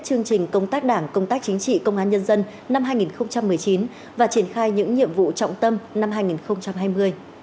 chương trình công tác đảng công tác chính trị công an nhân dân năm hai nghìn một mươi chín và triển khai những nhiệm vụ trọng tâm năm hai nghìn hai mươi